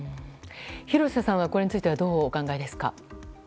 廣瀬さんはこれについてはどうお考えですか。